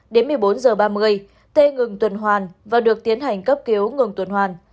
đến một mươi bốn h ba mươi tê ngừng tuần hoàn và được tiến hành cấp cứu ngừng tuần hoàn